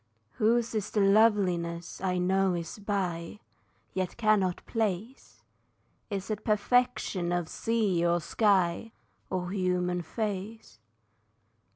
Whose is the loveliness I know is by, Yet cannot place? Is it perfection of the sea or sky, Or human face?